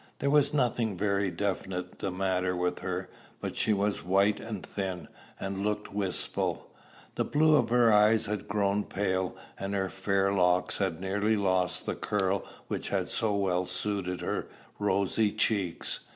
There was nothing very definite the matter with her, but she was white and thin, and looked wistful; the blue of her eyes had grown pale, and her fair locks had nearly lost the curl which had so well suited her rosy cheeks.